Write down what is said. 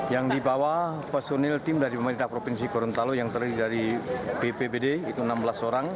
yang dibawa personil tim dari pemerintah provinsi gorontalo yang terdiri dari bpbd itu enam belas orang